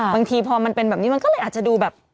บางทีพอมันเป็นแบบนี้มันก็เลยอาจจะดูแบบ